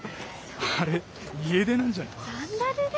あれ家出なんじゃない？